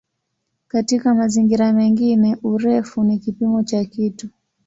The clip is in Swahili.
Katika mazingira mengine "urefu" ni kipimo cha kitu.